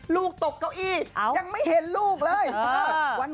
ลูกตกเก้าอี้ยังไม่เห็นลูกเลย